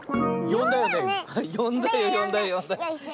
よんだよよんだよよんだよ。